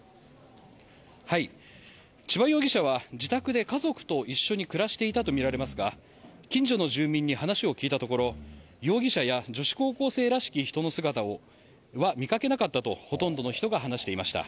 千葉容疑者は自宅で家族と一緒に暮らしていたとみられますが近所の住民に話を聞いたところ容疑者や女子高校生らしき人の姿は見かけなかったとほとんどの人が話していました。